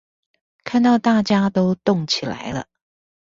看到大家都動起來了